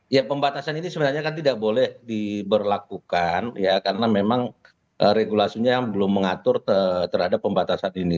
ya pembatasan ini sebenarnya kan tidak boleh diberlakukan ya karena memang regulasinya belum mengatur terhadap pembatasan ini